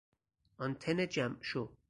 آنتن جمع شو